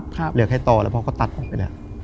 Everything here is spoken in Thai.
ครับแล้วพ่อก็ตัดออกไปแหละ